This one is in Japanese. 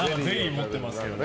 持ってますけどね。